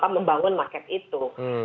membangun market itu